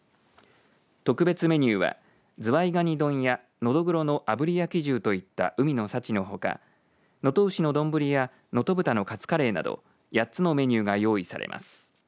特別メニューはズワイガニ丼やのどぐろのあぶり焼き重といった海の幸のほか能登牛の丼や能登豚のカツカレーなど８つのメニューが用意されます。